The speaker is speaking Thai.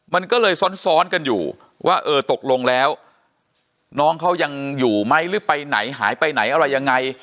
มันก็เลยซ้อนกันอยู่ว่าเออตกลงแล้วน้องเขายังอยู่ไหมหรือไปไหนหายไปไหนอะไรยังไง